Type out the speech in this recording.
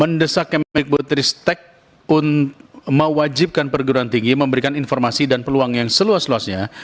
enam mendesak kementerian kementerian kementerian tristek ri untuk mewajibkan perguruan tinggi memberikan informasi dan peluang yang seluas luasnya